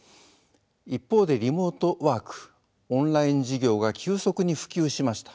一方でリモートワークオンライン授業が急速に普及しました。